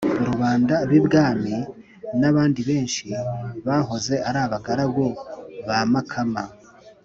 rubanda b’ibwami n’abandi benshi bahoze ari abagaragu ba makama